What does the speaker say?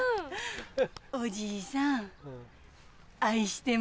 おじいさん愛してますよ。